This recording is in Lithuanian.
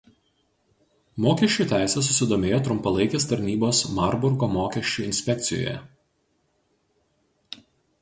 Mokesčių teise susidomėjo trumpalaikės tarnybos Marburgo mokesčių inspekcijoje.